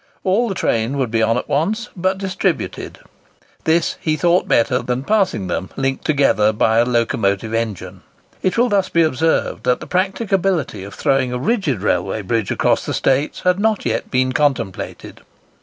All the train would be on at once; but distributed. This he thought better than passing them, linked together, by a locomotive engine." It will thus be observed that the practicability of throwing a rigid railway bridge across the Straits had not yet been contemplated.